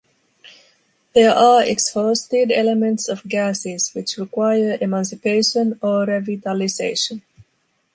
There are exhausted elements or gases which require emancipation or revitalization.